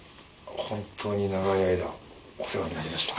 本当に長い間お世話になりました。